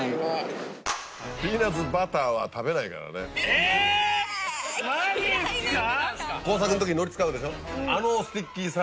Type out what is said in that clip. えっ⁉マジっすか！